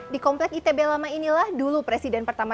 di komplek itb lama inilah dulu presiden pertama